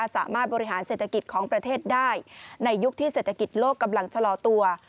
สามารถบริหารเศรษฐกิจของประเทศได้ในยุคที่เศรษฐกิจโลกกำลังชะลอตัว